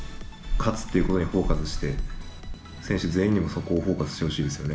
勝つということにフォーカスして、選手全員にもそこをフォーカスしてほしいですよね。